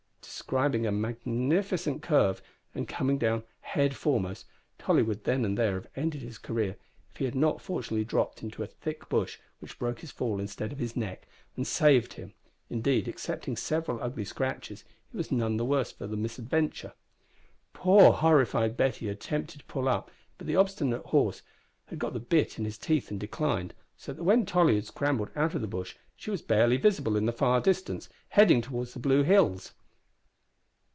Describing a magnificent curve, and coming down head foremost, Tolly would then and there have ended his career if he had not fortunately dropped into a thick bush, which broke his fall instead of his neck, and saved him. Indeed, excepting several ugly scratches, he was none the worse for the misadventure. Poor horrified Betty attempted to pull up, but the obstinate horse had got the bit in his teeth and declined, so that when Tolly had scrambled out of the bush she was barely visible in the far distance, heading towards the blue hills.